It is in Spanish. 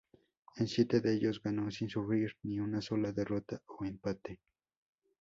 En siete de ellos, ganó sin sufrir ni una sola derrota o empate.